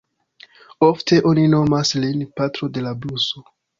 Ofte oni nomas lin „patro de la bluso"“.